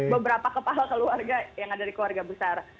beberapa kepala keluarga yang ada di keluarga besar